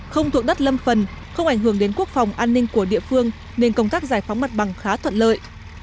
không thuộc đất lâm phần không ảnh hưởng đến quốc phòng an ninh của địa phương nên công tác giải phóng mặt bằng khá thuận lợi